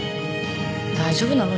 大丈夫なの？